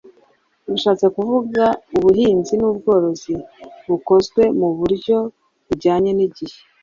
bishatse kuvuga ubuhinzi n’ubworozi bukozwe mu buryo bujyanye n’igihe